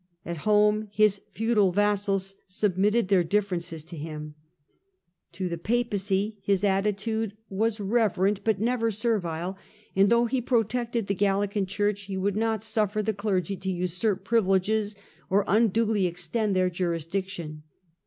At home his feudal vassals submitted their differences to him. To the Papacy his attitude was PHILIP AUGUSTUS, LOUIS VIII., AND ST LOUIS 201 reverent, but never servile, and though he protected the Galilean Church, he would not suffer the clergy to usurp privileges, or unduly extend their jurisdiction.